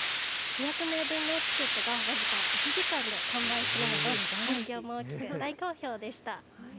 ２００名分のチケットが僅か１時間で完売するなど反響も大きく、大好評でした。